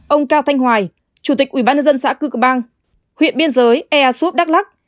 ông cao thanh hoài chủ tịch ubnd xã cư cờ bang huyện biên giới easup đắk lắc